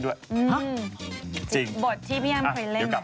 เดี๋ยวช่วงหน้าพีคนะครับ